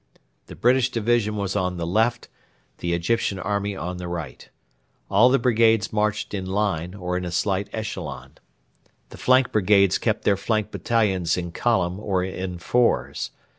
The British division was on the left, the Egyptian army on the right. All the brigades marched in line, or in a slight echelon. The flank brigades kept their flank battalions in column or in fours.